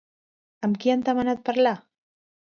Amb qui han demanat parlar?